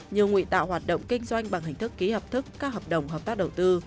như ngụy tạo hoạt động kinh doanh bằng hình thức ký hợp thức các hợp đồng hợp tác đầu tư